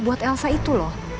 buat elsa itu loh